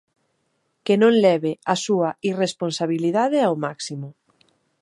Que non leve a súa irresponsabilidade ao máximo.